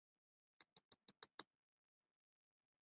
克尼格斯海恩是德国萨克森州的一个市镇。